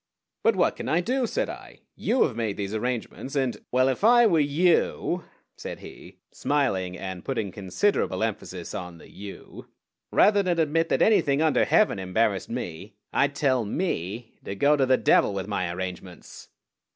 "But what can I do?" said I. "You have made these arrangements, and " "Well, if I were you," said he, smiling, and putting considerable emphasis on the you, "rather than admit that anything under heaven embarrassed me I'd tell me to go to the devil with my arrangements."